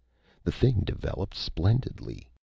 The thing developed splendidly.